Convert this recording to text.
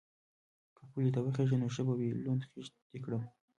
_که پولې ته وخېژې نو ښه به وي، لوند خيشت دې کړم.